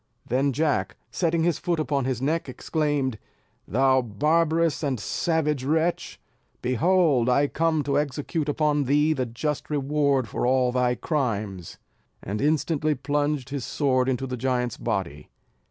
Then Jack, setting his foot upon his neck, exclaimed, "Thou barbarous and savage wretch, behold I come to execute upon thee the just reward for all thy crimes;" and instantly plunged his sword into the giant's body.